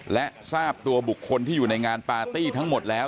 และทราบตัวบุคคลที่อยู่ในงานปาร์ตี้ทั้งหมดแล้ว